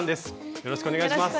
よろしくお願いします。